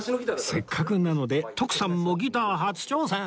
せっかくなので徳さんもギター初挑戦！